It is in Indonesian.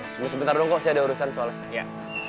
sebelum sebentar dong kok saya ada urusan soalnya